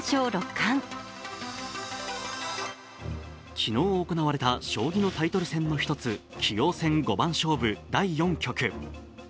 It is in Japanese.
昨日行われた将棋のタイトル戦の１つ、棋王戦五番勝負第４局。